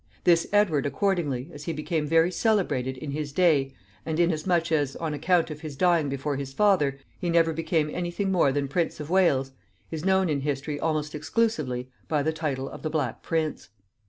This Edward accordingly, as he became very celebrated in his day, and inasmuch as, on account of his dying before his father, he never became any thing more than Prince of Wales, is known in history almost exclusively by the title of the Black Prince.